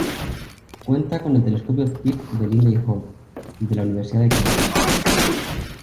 Cuenta con el telescopio Pitt de Lindley Hall, de la Universidad de Kansas.